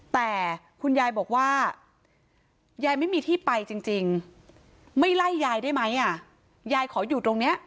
แต่คุณยายบอกว่ายายไม่มีที่ไปจริงไม่ไล่ยายได้ไหมอ่ะยายขออยู่ตรงนี้